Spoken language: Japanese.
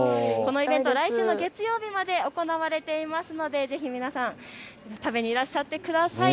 来週の月曜日まで行われていますのでぜひ皆さん食べにいらっしゃってください。